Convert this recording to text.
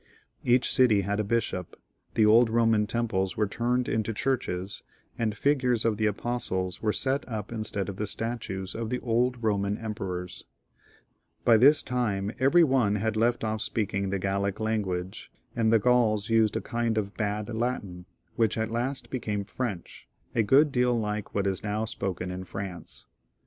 ^ Each city had a bishop, the old Eoman temples were turned into churches, and figures of the Apostles were set up instead of the statues of the old Eoman emperors. By 14 GAUL A ROMAN PROVINCE. [CH. this time every one had left off speaking the Gallic lan guage, and the Ganls used a kind of bad Latin, which at last became French, a good deal like what is now spoken in France.